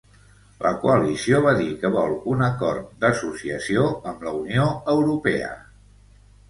La coalició va dir que vol un acord d'associació amb la Unió Europea.